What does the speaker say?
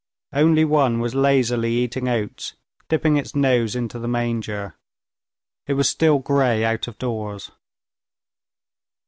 Only one was lazily eating oats, dipping its nose into the manger. It was still gray out of doors.